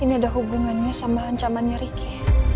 ini ada hubungannya sama ancamannya ricky